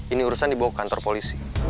ini urusan dibawa kantor polisi